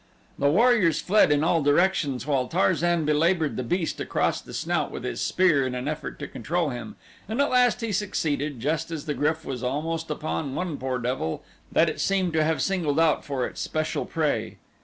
The warriors fled in all directions while Tarzan belabored the beast across the snout with his spear in an effort to control him, and at last he succeeded, just as the GRYF was almost upon one poor devil that it seemed to have singled out for its special prey.